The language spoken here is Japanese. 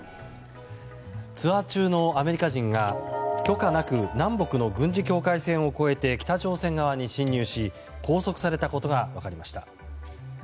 ツアー中のアメリカ人が許可なく南北の軍事境界線を越えて北朝鮮側に侵入し拘束されたことが分かりました。